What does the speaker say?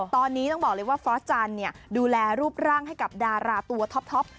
ตอนนี้ต้องบอกเลยว่าฟอสจันทร์ดูแลรูปร่างให้กับดาราตัวท็อป